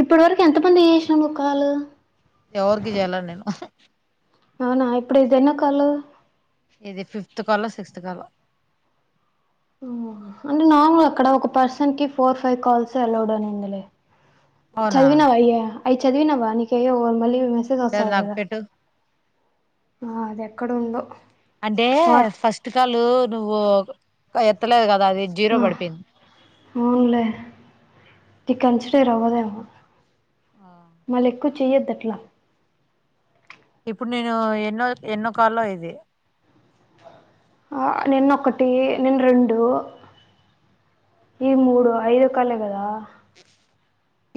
ఇప్పటి వరకు ఎంత మంది చేసింళ్ళు కాలు ఎవరికి చేయాలె నేను ఎన్నో కాలు ఇది ఫిఫ్త్ కాలో సిక్స్త్ కాలో అంటే నార్మల్ అక్కడ ఒక పర్సన్ కి ఫోర్, ఫైవ్ కాల్స్ అలౌడ్ అని ఉందిలే అవునా చదివినవా అయ్య అయి చదివినవా నీకెయ్యో మళ్ళి మెసేజ్ లేదు వస్తది నాకు కదా పెట్టు ఆ అది ఎక్కడ ఉందో అంటే వాట్ ఫస్ట్ కాల్ నువ్వు ఎత్తలేదు క నాది జీరో ఆ, పడిపెయింది అవునులే ఇది కన్సిడర్ అవ్వదెమో మళ్ళీ ఎక్కువ చెయొద్దు అట్లా ఇప్పుడు నేను ఎన్నో ఎన్నో కాలో ఇది ఆ నిన్న ఒకటి నిన్ రెండు ఈ మూడు ఐదో కాలె కదా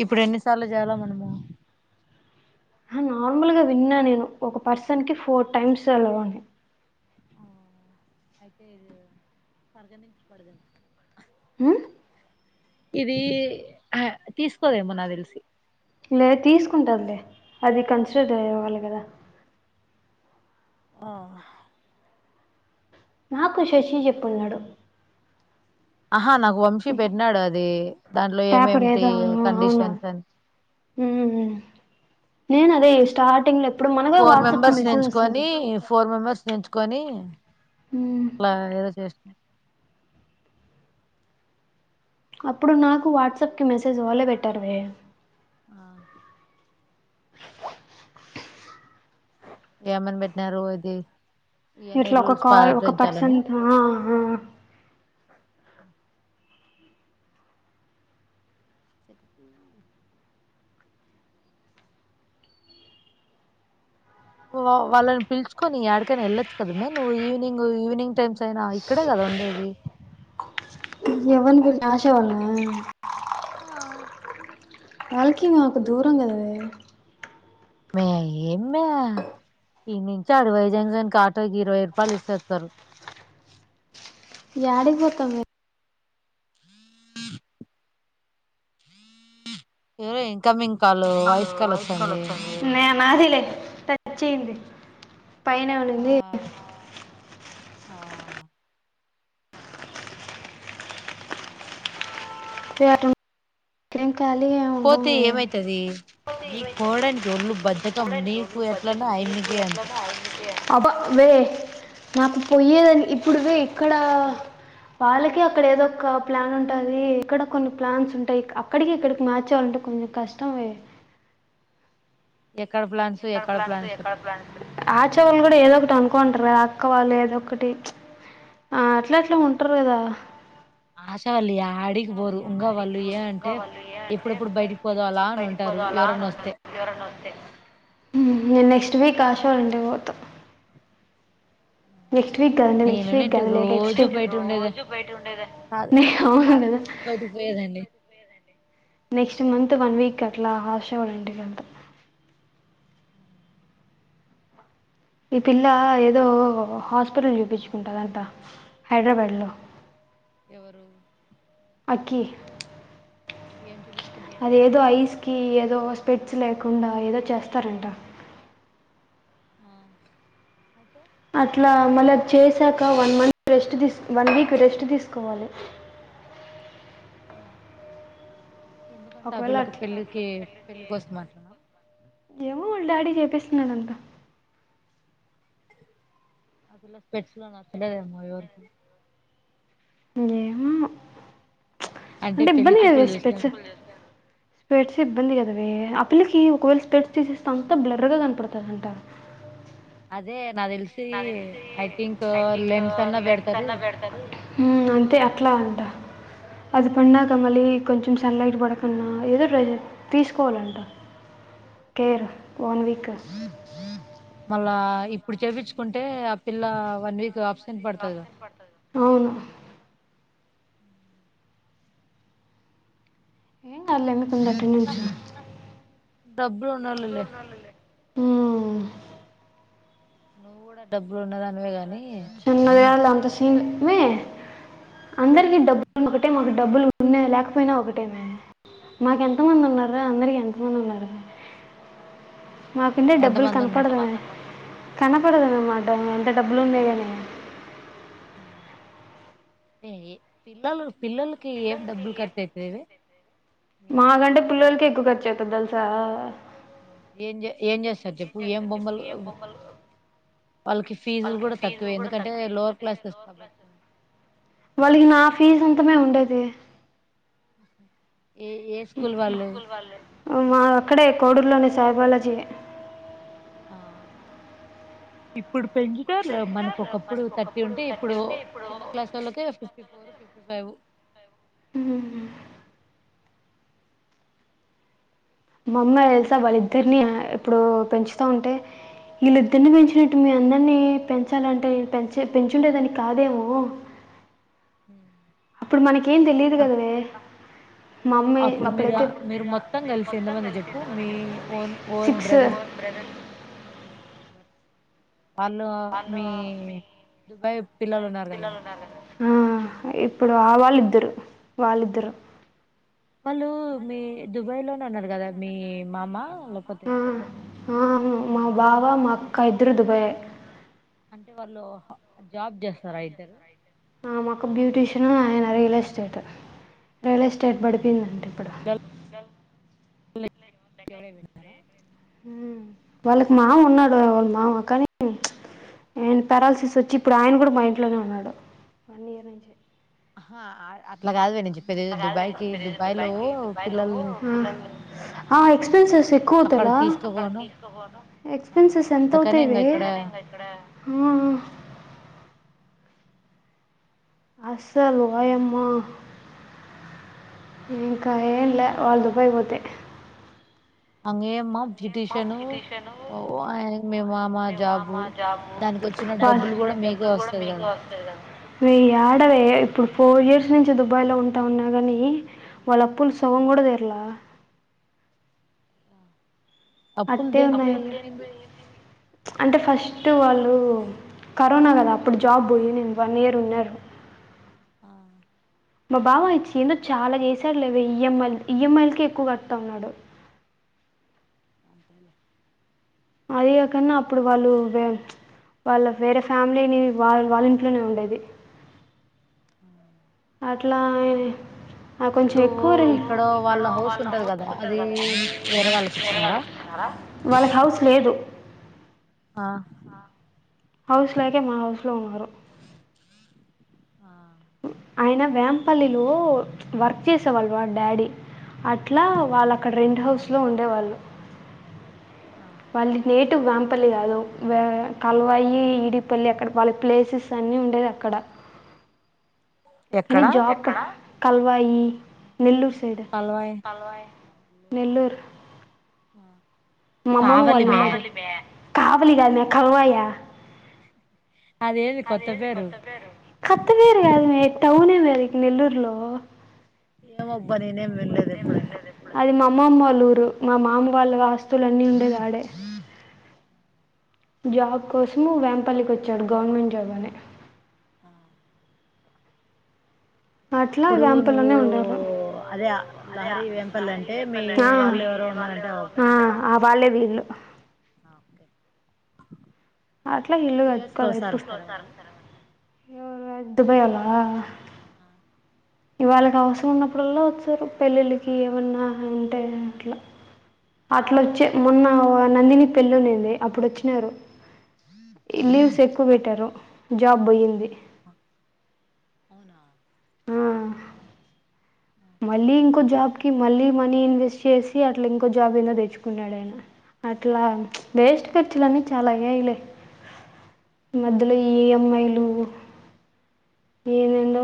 ఇప్పుడు ఎన్నిసార్లు చదవాం మనము ఆ నార్మల్గా విన్నా నేను ఒక పర్సన్ కి ఫోర్ టైమ్స్ హలో అని ఆ అయితే [unintelligible] కడగండి మ్మ్ ఇది ఆ తీసుకోదేమో నాక్ తెలిసి లేదు తీసుకుంటదిలే అది కన్సిడర్ అవ్వాలి కదా ఆహా నాకు శశి చెప్పు ఉన్నడు ఆహా నాకు వంశీ పెట్టినాడు అది దాంట్లో పేపర్ ఏమేమ్టి ఏదో అవునా కండిషన్స్ అని ఉమ్. నేను అదే స్టార్టింగ్లో ఎప్పుడు మనగా ఫోర్ వాట్సాప్కి మెంబర్స్ మెసేజ్ వస్తుంది ఏన్చుకొని ఫోర్ మెంబర్స్ ఎన్చ్ కొని ఉమ్, అట్లా ఏదో చేష్ అప్పుడు నాకు వాట్సాప్కి మెసేజ్ వాళ్ళే పెట్టారు మే ఆ ఏమని పెట్టినారు ఇది ఇవన్నీ ఇట్లా ఒక రూల్స్ కాల్ ఒక పాటించాలని పర్సన్తో ఆ ఆ సరిపోయింది వ వాళ్ళని పిలుచుకొని ఎడికైన ఎళ్ళచ్చు కదా మే నువ్వు ఈవినింగ్ ఈవనింగ్ టైమ్స్ [unintelligible] ఇక్కడే కదా ఉండేది ఎవనికి ఇంత ఆశే [unintelligible] ఆ వాళ్ళకి మాకు దూరం కదా మే మే ఎమ్మే ఈ నుంచి అడవైజాన్సానికి ఆటోకి ఇరవై రూపాయలు ఇస్తేస్తారు యడికి పోతము ఎవరో ఇంకమింగ్ వైట్ కల్ వస్తుంది తచ్చేంది పైన ఆ [unintelligible] ఆ కళీగా పోతే ఉండమే ఏమైతది నీకు పోవడానికి ఒళ్ళు బద్దకం నీకు ఎట్లనో ఆయమ్మకి అంతే [unintelligible] నాకు పోయ్యేదని ఇప్పుడువే ఎక్కడ వాళ్ళకి అక్కడ ఏదో ఒక ప్లాన్ ఉంటది ఇక్కడ కొన్ని ప్లాన్స్ ఉంటాయి అక్కడికి ఇక్కడికి మార్చాలంటే కొంచెం కష్టంమే ఎక్కడ ప్లాన్స్ ఎక్కడ ప్లాంట్స్ ప్లాన్స్ ఎక్కడ ప్లాంట్ ఆచేవాళ్ళు కూడా ఏదో ఒకటి అనుకోంటారు వా అక్క వాళ్ళు ఏదొ ఒకటి ఆ అట్లా అట్లా ఉంటారు కదా ఆశ అలి అడిగ బోరు అడిగిపోదు ఇంకా వాళ్ళు ఏ అంటే బయటికి పోదాలా ఇప్పుడప్పుడు అని పైటికి ఉంటారు పోద అలా అని ఎవరన్నా వస్తే ఉండదు ఎవరని వస్తే నెక్స్ట్ వీక్ ఆశవాల్ండడి పోతా నెక్స్ట్ వీక్ అద నెక్స్ట్ వీక్ నేనునంటే అలే నెక్స్ట్ రోజు బయట ఉండేది రోజు బయ ఉండే న అవును కదా అదిపోయేదండి నెక్స్ట్ మంత్ వన్ వీక్ అట్లా హాష కూడా ఇంటి కదు ఈ పిల్ల ఏదో హాస్పిటల్ చూపించుకుంటద అంతా హైదరాబాద్ లో ఎవరు ఏం చూపించుకుంటదంట అది ఏదో ఐస్కి ఏదో పెట్స్ లేకుండా ఏదో చేస్తారంట ఆ అతే అట్లా మళ్ళ అది చేసాక one month rest one week rest తీసుకోవాలి ఆ ఎందుకంటే ఆ ఒకవేళ పిల్లకి అట్లా పెళ్ళికి పెళ్ళికి వస్తం అట్లానా ఏమో వాళ్ళ డాడీ చేపిస్తున్నాదంతా అదిలా స్పెట్స్ నా సన్నదే అమ్మో ఎవరికి ఏమో అంటే పెళ్లి ఇబ్బంది ఏవి చూపులు చూస్తే స్పిట్స్ స్పట్స్ ఇబ్బంది కదావ ఆ పిల్లకి ఒకవేళ స్ప్రెడ్స్ తీసేస్తే అంతా బ్లెరర్గా కనపడుతుంది అంటారు అదే నాకు అదే తెలిసి నా తెలిసి ఐ థింక్ ఐంక్ లెన్స్ అన్నా లెన్స్ పెడతారు అడతుంది అే అట్లా ఆ [unintelligible] కొంచెం సన్లైట్ పడకున్నా ఏదో ట్రజర్ తీసుకోవాలంట కేర్ ఆ. ఓన్ వక్స్ మళ్ళా ఇప్పుడు చేపించుకుంటే ఆ పిల్ల వన్ వీక్ ఆ అవును ఏం కాలందుకుంది ఏందో అటెండెన్స్ డబ్బులు వున్నోలె ఆ నువ్వు కూడా డబ్బులు ఉన్నద అనివే గాని చిన్నద అంత సీన్ ఇవే అందరికి డబ్బులు ఒకటే మటి డబ్బులు ఉన్నా లేకపోయినా ఒకటేమే మాక ఎంత మంది ఉన్నారు అందరికి ఎంత మంది ఉన్నారు మాకుందే ఎంత డబ్బులు మంది ఉన్నారు కనపడలేదు కనపడదనే మాట ఎంత డబుల్ ఏ పిల్లలు పిల్లలకి ఏం డబ్బులు ఖర్చు అయితాయి వే మాకంటే పిల్లోళ్లకే ఎక్కువ ఖర్చు అయితది తెలుసా ఏం ఏం చేస్తారు చెప్పు ఏం బొమ్మలు వాళ్ళకి ఫీజులు కూడా తక్కువే ఎందుకంటే లోవర్ క్లాస్స్ కాబట్టి వాళ్ళకి నా ఫీజు అంత మే ఉండేది ఏ ఏ స్కూల్ వాళ్ళు మాది అక్కడే కోడూరులోని సాయిబాలాజీ ఆ ఇప్పుడు పెంచితే అట్లా మనకు ఒకప్పుడు థర్టీ ఉంటే ఇప్పుడు చిన్న క్లాస్ వాళ్ళకే ఫిఫ్ ఫిఫ్ ఫోర్ ఫిఫ్ ఫైవ్ ఉహూహూ ఉమ్ మా అమ్మ తెలుసా ఉమ్. వాళ్ళిద్దరిని ఇప్పుడు పెంచుతా ఉంటే వీళ్ళిద్దరిని పెంచినట్టు మీ అందరిని పెంచాలంటే పెంచ పెంచుండే దాన్ని కాదేమో ఉమ్ అప్పుడు మనకేం తెలీదు కదవే మా ఇప్పుడు అమ్మే అప్పుడు మీరు అప్పుడయితే మీరు మొత్తం కలిసి ఎంతమంది చెప్పు మీ సిక్స్ బ్రదర్స్ కిత్ నెంబర్ వాళ్ళు మీ దుబాయ్ పిల్లలు ఉన్నారు కదా ఆ, ఇప్పుడు ఆ వాళ్ళు వాళ్ళిద్దరు వాళ్ళిద్దరు వాళ్ళు మీ దుబాయ్ లోనే ఉన్నారు కదా మీ మామ లేకపోతే ఆ ఆ, మా బావా మా అక్క ఇద్దరు దుబాయే అంటే వాళ్ళు జాబ్ చేస్తారా ఇద్దరు ఆ మా అక్క బ్యూటీషియన్ ఆయన రియల్ ఎస్టేట్ రియల్ ఎస్టేట్ పడి పోయిందంట ఇంకా ఇప్పుడు [unintelligible] వెళ్తారా ఉమ్ వాళ్ళకి మామ ఉన్నాడు వాళ్ళ మావ కానీ ప్చ్ ఆయనకి పెరాలిసిస్ వచ్చి ఇప్పుడు ఆయన కూడా మా ఇంట్లోనే ఉన్నాడు వన్ ఇయర్ నుంచి అహా అట్లా కాదు వే నేను చెప్ పిల్లల్ని ఎక్స్పెన్సెస్ ఎక్కువ అవుతాయి అక్కడ హలో తీసుకోపోను ఆ ఎక్స్పెన్సెస్ ఎంత అందుకనే అవుతాయి ఇంగ వే ఇక్కడ ఆ అసలు ఆయన వాయమ్మా ఇంకా ఏంలే వాళ్ళు దుబాయికి పోతే అంగే అమ్మా పిటిషను మే మా మా జాబు దానికి వచ్చిన డబ్బులు కూడా మీకే డబ్బులు కూడా వస్తది మీకే కదా వస్తాయి కదా వే యాడవే ఇప్పుడు ఫోర్ ఇయర్స్ నుంచి దుబాయ్లో ఉంటా ఉన్నా కాని వాళ్ళ అప్పులు ఆ, సగం కూడా తీర్లా అప్పులు అట్టే దేనికి ఉన్నాయి పోయి ఏమైంది ప్చ్ అంటే ఫస్ట్ వాళ్ళు కరోనా కదా అప్పుడు జాబ్ పోయిన్నింది వన్ ఇయర్ ఉన్నారు ఆ మా బావ ఇచ్చి ఏందో చాలా చేసాడులేవే ఈఎంఐ ఈఎంఐ లకే ఎక్కువ కడతా ఉన్నాడు అంతేలే అది కాకున్నా అప్పుడు వాళ్ళు వే ప్చ్ వాళ్ళ వేరే ఫ్యామిలీని వాళ్ వాళ్ళ ఇంట్లోనే ఉండేది ఉమ్ అట్లా అయినాయి కొంచెం ఇప్పుడు ఎక్కువ రే ఇక్కడ వాళ్ళ హౌస్ ఉంటది కదా అది వేరే వాళ్ళకి ఇచ్చానారా వాళ్ళకి హౌస్ లేదు ఆ హౌస్ లేకే మా హౌస్లో ఉన్నారు ఆ ఆయన వేంపల్లిలో వర్క్ చేసేవాళ్ళు వా డాడీ అట్లా వాళ్ళక్కడ రెంట్ హౌస్లో ఉండేవాళ్ళు ఆ, వాళ్ళ నేటివ్ వేంపల్లి కాదు కల్వాయి ఇడిపల్లి అక్కడ వాళ్ళ ప్లేసెస్ అని అని ఉండేదక్కడ కానీ ఎక్కడ జాక కల్వయి నెల్లూరు కాల్వాయ్ నెల్లూరు మమ్మమ కావలిమే వాల్లూరు కావలి కాద్ మె కల్వయి అదేంది కొత్త పేరు కొత్త పేరు గాదు మె టౌనే వదకి నెల్లూర్లో ఏమబ్బ నేనే అది మా అమ్మమ్మల్లూరు మా మామ వాళ్ళవి ఆస్తులన్ని ఉండేదాడే జాబ్ కోసము వేంపల్లికి వచ్చాడు గవర్నమెంట్ జాబ్ అని ఆ అట్లా అప్పుడు వేంపల్లోనే నువ్వు ఉండేవాళ్ళం అదే లహరి వెంపల్ అంటే మీ ఆ. వాళ్ళు ఎవరో ఉన్నారంటే ఆ ఆ వాళ్లేే వీళ్ళు ఓ అట్లా ఇల్లు కట్టుకోవాల ఎప్పుడు వాళ్ళు ఎవరు దుబాయ అలా ఆ ఇవాళ్ళకి అవసరం ఉన్నప్పుడల్లా వచ్చారు పెళ్ళిళ్ళకి ఏమన్నా ఉంటే అట్లా అట్లొచ్చే మొన్న నందిని పెల్లునింది అప్పుడు వచ్చినారు లీవ్స్ ఎక్కువ బెట్టారు జాబ్ పోయింది అవునా ఆ, మళ్ళీ ఇంకో జాబ్ కి మళ్ళీ మనీ ఇన్వెస్ట్ చేసి అట్లా ఇంకో జాబ్ ఏనా తెచ్చుకున్నాడు ఆయన అట్లా వేస్ట్ ఖర్చులన్నీ చాలా అయ్యాయ్ లే మధ్యలో ఇ ఎం ఐ లు ఏందో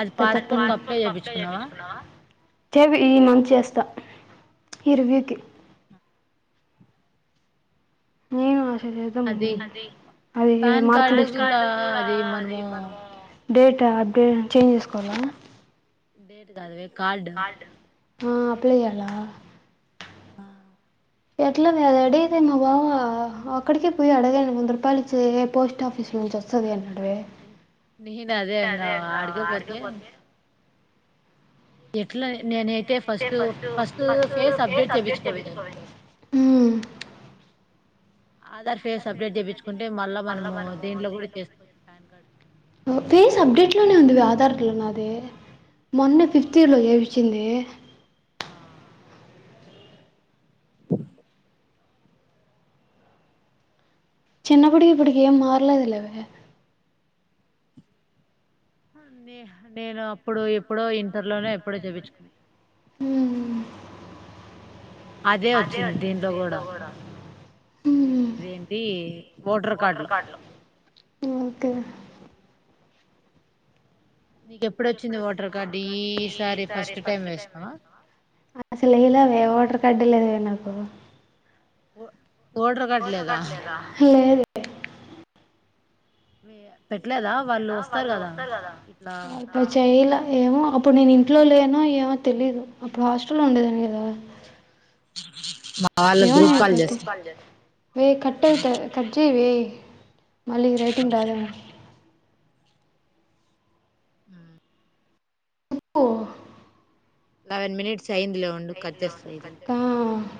అది పాస్పోర్ట్ కి ట్రాస్పర్ట్ అప్లై చేపించుకున్నావా కపడ చెవి ఈ మంత్ చేస్తా ఈ రివ్యూకి నను అది ద అది పాన్ కార్డు మార్కులిస్ట కూడా అది మనము డేట్ అప్డేట్ చేంజ్ జేసుకోవాలా డేట్ కాద కార్డు ఆ అప్లే జేలా బ ఎట్లానే అది అడిగీతే మా బావ అక్కడికే పోయి అడగాను వంద రూపాయలు ఇచ్చ పోస్ట్ ఆఫీస్ వస్తుది ఎన్నాడవే నేను నను ఇంగ అదే ఇంకా ఆడికే పోతే ఆడికపోతే ఎట్లా నేనైతే ఫస్ట్ ఫస్ట్ ఫేస్ అప్డేట్ చేపించుకోవి ఉమ్ ఆధార్ ఫేస్ అపడేట్ జేపిచుకుంటే మళ్ళా మనము దీంట్లో కూడా చేసుకోవచ్చు పా్యాన్ కార్డ్ ఫేస్ అప్డేట్ లోనే ఉంది ఇవి ఆధార్లో నాది మొన్న ఫిఫ్త్ అవునా ఇయర్లో చేపిచింది ఆ చిన్నబ్బుటి ఇప్పుటికే ఏం మారలేదులేవే నే నేను అప్పుడు ఎప్పుడో ఇంటర్లోనే ఎప్పుడో చపించుకున్నా ఉమ్ అదే వచ్చింది దీన్లో గూడా ఇది హ్మ్ ఇదేంటి ఓటర్ కార్డులు ఓకే [unintelligible] నీకెప్పుడొచ్చింది ఓటర్ కార్డు ఈ సారి ఫస్ట్ టైం వేస్తావా అసలు ఎయలా వే ఓటర్ కార్డు ఎ లేదువే నాకు ఓటర్ కార్డు లేదా లేదే వేయ ఇట్లా వాళ్లతో చేయల ఏమో అప్పుడు నేను ఇంట్లో ఇంట్లో లేనో ఏమో తెలీదు అప్పుడు హాస్టల్లో ఉండేదాని కదా మా వాళ్ళ గ్రూప్ కాల్ చేస్తున్నారు వే కట్ అయిత కట్జేయి వే మళ్ళీ రేటింగ్ రాదా ఆ రప్పు [unintelligible] లెవెన్ మినిట్స్ అయిందిలే ఉండు కట్ చేస్తా ఇదిగొ కా